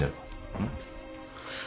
うん？